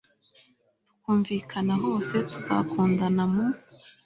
tukumvikana hose, tuzakundana mu